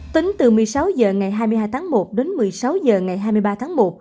tính từ một mươi sáu h ngày hai mươi hai tháng một đến một mươi sáu h ngày hai mươi ba tháng một